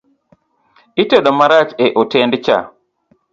Itedo marach e hotend cha